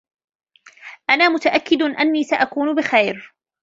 أنا متأكد أني سأكون بخير.